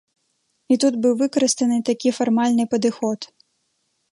І тут быў выкарыстаны такі фармальны падыход.